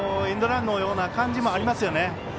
エンドランのような感じもありますね。